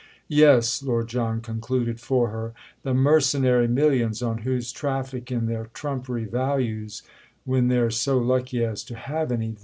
"Yes," Lord John concluded for her, "the mercenary millions on whose traffic in their trumpery values—when they're so lucky as to have any!